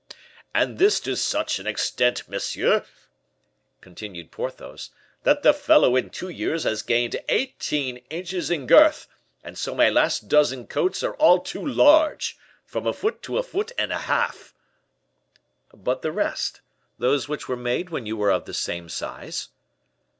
"And this to such an extent, monsieur," continued Porthos, "that the fellow in two years has gained eighteen inches in girth, and so my last dozen coats are all too large, from a foot to a foot and a half." "But the rest; those which were made when you were of the same size?"